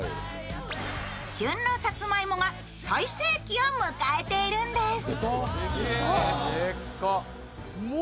旬のさつまいもが最盛期を迎えているんです。